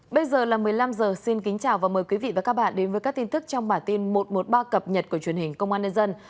bây giờ là một mươi năm h xin kính chào và mời quý vị và các bạn đến với các tin tức trong bản tin một trăm một mươi ba cập nhật của truyền hình công an nhân dân